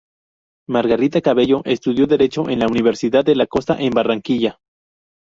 Margarita Cabello estudió Derecho en la Universidad de la Costa, en Barranquilla.